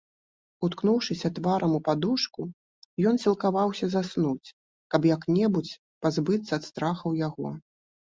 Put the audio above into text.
Уткнуўшыся тварам у падушку, ён сілкаваўся заснуць, каб як-небудзь пазбыцца ад страхаў яго.